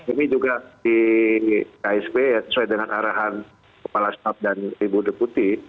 ini juga di ksp ya sesuai dengan arahan kepala staf dan ibu deputi